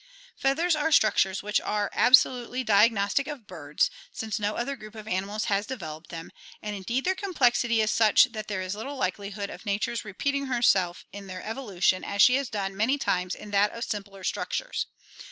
Feathers are structures which are absolutely di agnostic of birds, since no other group of animals has developed them, and in deed their complexity is such that there is little likelihood of nature's re peating herself in their evolution as she has done many times in that of simpler structures.